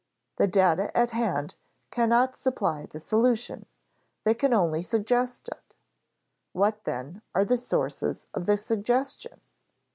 The data at hand cannot supply the solution; they can only suggest it. What, then, are the sources of the suggestion?